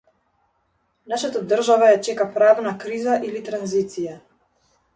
Нашата држава ја чека правна криза или транзиција.